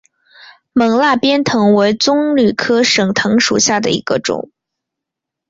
勐腊鞭藤为棕榈科省藤属下的一个种。